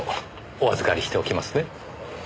お預りしておきますね。